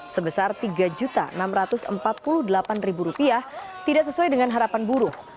sebesar rp tiga enam ratus empat puluh delapan tidak sesuai dengan harapan buruh